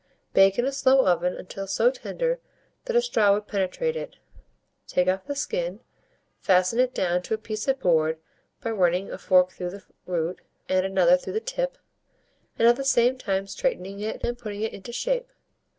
Bake in a slow oven until so tender that a straw would penetrate it; take off the skin, fasten it down to a piece of board by running a fork through the root and another through the tip, at the same time straightening it and putting it into shape.